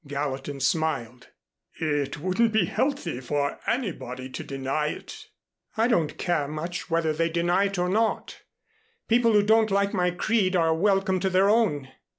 Gallatin smiled. "It wouldn't be healthy for anybody to deny it." "I don't care much whether they deny it or not. People who don't like my creed are welcome to their own.